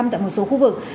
tại một số khu vực